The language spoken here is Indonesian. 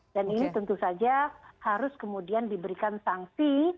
dan ini tentu saja harus kemudian diberikan sanksi